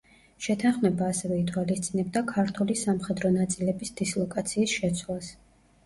შეთანხმება ასევე ითვალისწინებდა ქართული სამხედრო ნაწილების დისლოკაციის შეცვლას.